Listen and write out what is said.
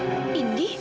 kau mau nambah pj gue